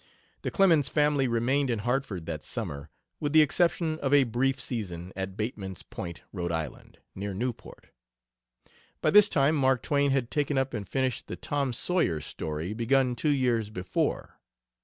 The Clemens family remained in Hartford that summer, with the exception of a brief season at Bateman's Point, R. I., near Newport. By this time Mark Twain had taken up and finished the Tom Sawyer story begun two years before.